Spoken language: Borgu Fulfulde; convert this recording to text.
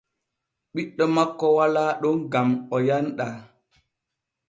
Ɓiɗɗo makko walaa ɗon gam o yanɗaa.